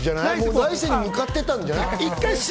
来世に向かってたんじゃない？